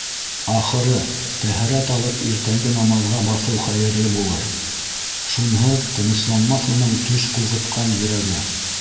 Ахыры, тәһәрәт алып, иртәнге намаҙға баҫыу хәйерле булыр, шунһыҙ тынысланмаҫ уның төш ҡуҙғытҡан йөрәге.